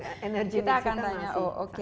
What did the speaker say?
kita akan tanya oh oke